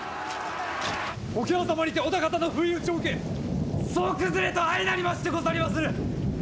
桶狭間にて織田方の不意打ちを受け総崩れと相なりましてござりまする！